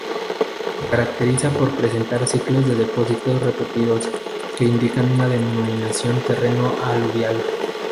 Se caracteriza por presentar ciclos de depósitos repetidos que indican una dominación terreno aluvial.